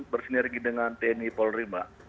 bersinergi dengan tni polri mbak